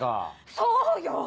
そうよ！